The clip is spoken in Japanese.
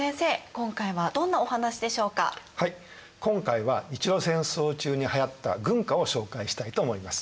今回は日露戦争中にはやった軍歌を紹介したいと思います。